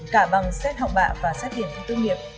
cả bằng xét học bạ và xét điểm của tư nghiệp